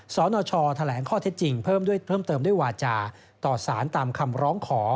สนชแถลงข้อเท็จจริงเพิ่มเติมด้วยวาจาต่อสารตามคำร้องขอ